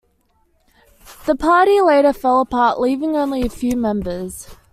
The Party later fell apart leaving only a few members.